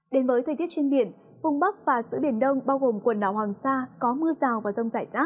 đến với thời tiết trên biển vùng bắc và giữa biển đông bao gồm quần đảo hoàng sa có mưa rào và rông rải rác